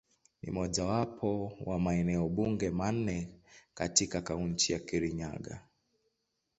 Ni mojawapo wa maeneo bunge manne katika Kaunti ya Kirinyaga.